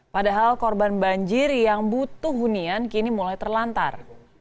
padahal korban banjir yang butuh hunian kini mulai terlantar